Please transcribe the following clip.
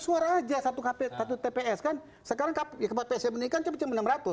tiga ratus suara saja satu tps kan sekarang ya kemudian yang meninggal cuma enam ratus